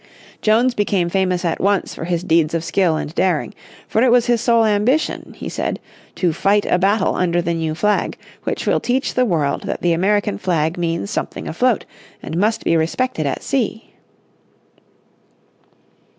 Jones became famous at once for his deeds of skill and daring, for it was his sole ambition, he said, "to fight a battle under the new flag, which will teach the world that the American flag means something afloat, and must be respected at sea."